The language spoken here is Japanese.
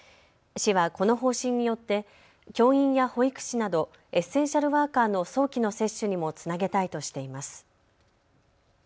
市はこの方針によって教員や保育士などエッセンシャルワーカーの早期の接種にもつなげたいとしています。